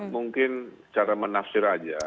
mungkin cara menafsir aja